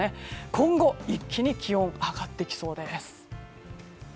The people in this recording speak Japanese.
今後、一気に気温が上がってきそうです。